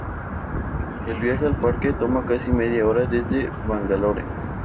El viaje al parque toma casi media hora desde Bangalore.